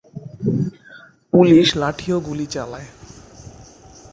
Police লাঠি ও গুলি চালায়।